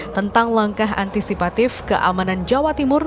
tentang langkah antisipatif keamanan jawa timur